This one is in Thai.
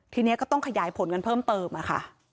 ทีนี้ก็ต้องขยายผลกันเพิ่มเติมค่ะ